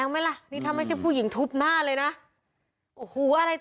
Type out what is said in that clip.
มันไม่อะไร